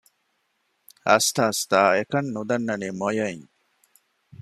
އަސްތަ އަސްތާ އެކަން ނުދަންނަނީ މޮޔައިން